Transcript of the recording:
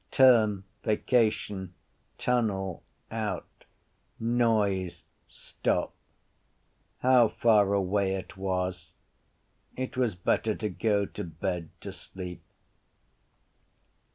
Term, vacation; tunnel, out; noise, stop. How far away it was! It was better to go to bed to sleep.